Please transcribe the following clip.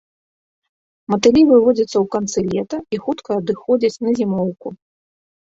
Матылі выводзяцца ў канцы лета і хутка адыходзяць на зімоўку.